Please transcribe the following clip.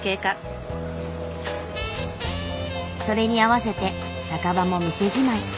それに合わせて酒場も店じまい。